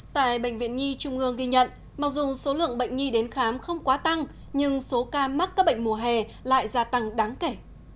tại bệnh viện nhi trung ương ghi nhận mặc dù số lượng bệnh nhi đến khám không quá tăng nhưng số ca mắc các bệnh mùa hè lại gia tăng đáng kể